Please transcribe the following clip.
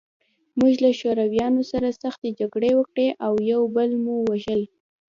موږ له شورویانو سره سختې جګړې وکړې او یو بل مو وژل